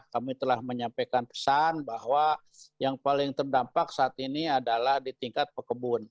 kami telah menyampaikan pesan bahwa yang paling terdampak saat ini adalah di tingkat pekebun